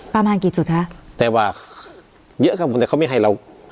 ประมาณกี่จุดคะแต่ว่าเยอะครับผมแต่เขาไม่ให้เรา